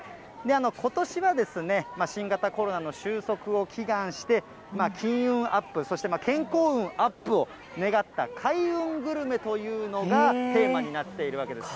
ことしは新型コロナの収束を祈願して、金運アップ、そして健康運アップを願った開運グルメというのがテーマになっているわけです。